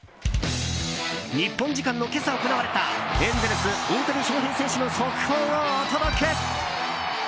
日本時間の今朝行われたエンゼルス大谷翔平選手の速報をお届け。